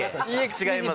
違います